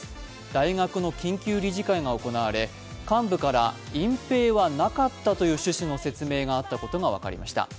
大学の緊急理事会が行われ、幹部から隠蔽はなかったという趣旨の説明があったことが分かりました。